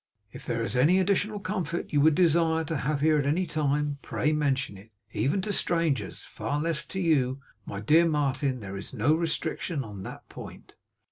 If there is any additional comfort you would desire to have here at anytime, pray mention it. Even to strangers, far less to you, my dear Martin, there is no restriction on that point.